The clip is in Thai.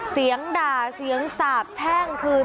เสียงด่าเสียงสาบแช่งคือ